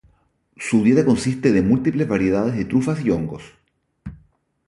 Su dieta consiste de múltiples variedades de trufas y hongos.